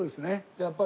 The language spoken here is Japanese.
やっぱり。